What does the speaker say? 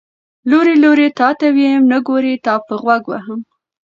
ـ لورې لورې تاته ويم، نګورې تاپه غوږ وهم.